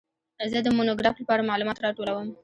زه د مونوګراف لپاره معلومات راټولوم.